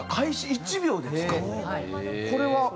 これは？